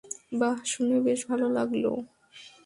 বাহ, শুনে বেশ ভালো লাগল!